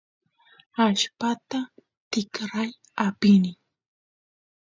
allpata tikray apini